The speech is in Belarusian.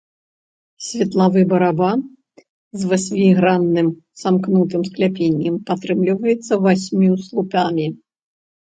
Светлавы барабан з васьмігранным самкнутым скляпеннем падтрымліваецца васьмю слупамі.